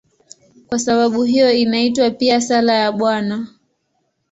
Kwa sababu hiyo inaitwa pia "Sala ya Bwana".